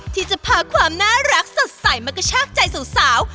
ที่จะพาความน่ารักสดใสมากระชากใจสาว